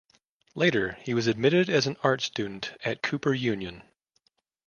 Later, he was admitted as an art student at Cooper Union.